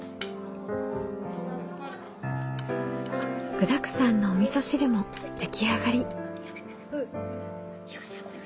具だくさんのおみそ汁も出来上がり。